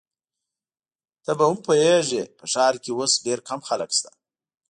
ته به هم پوهیږې، په ښار کي اوس ډېر کم خلک شته.